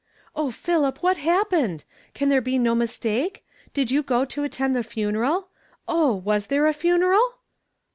"O Philip! what happened? Can there be no mistake ? Did you go to attend the funeral? Oh! was there a funeral